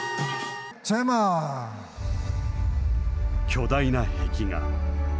巨大な壁画。